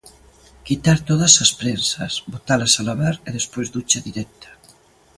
Quitar todas as prensas, botalas a lavar e despois ducha directa.